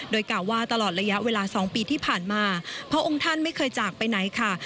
โดยกล่าวว่าตลอดระยะเวลา๒ปีที่ผ่านมาพระองค์ท่านไม่เคยจากไปไหนค่ะ